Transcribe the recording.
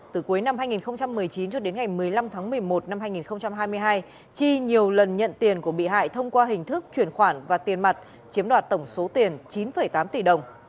từ cuối năm hai nghìn một mươi chín cho đến ngày một mươi năm tháng một mươi một năm hai nghìn hai mươi hai chi nhiều lần nhận tiền của bị hại thông qua hình thức chuyển khoản và tiền mặt chiếm đoạt tổng số tiền chín tám tỷ đồng